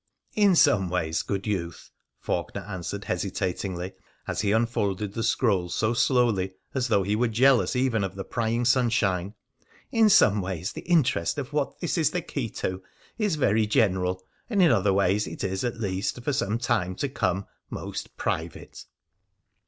In some ways, good youth,' Faulkener answered hesita tingly, as he unfolded the scroll so slowly as though he were jealous even of the prying sunshine, ' in some ways the in terest of what this is the key to is very general, and in other ways it is, at least for some time to come, most private.'